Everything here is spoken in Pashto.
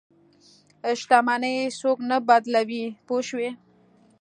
شتمني څوک نه بدلوي پوه شوې!.